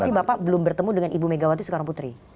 tapi bapak belum bertemu dengan ibu megawati soekarnoputri